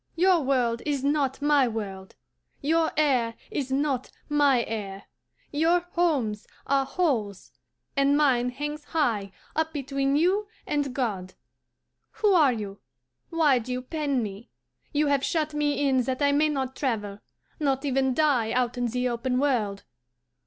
Your world is not my world; your air is not my air; your homes are holes, and mine hangs high up between you and God. Who are you? Why do you pen me? You have shut me in that I may not travel, not even die out in the open world.